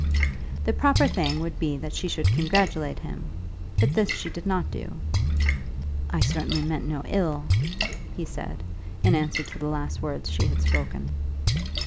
The proper thing would be that she should congratulate him, but this she did not do. "I certainly meant no ill," he said, in answer to the last words she had spoken.